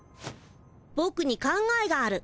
ぼくに考えがある。